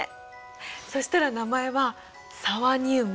そしたら名前はサワニウム！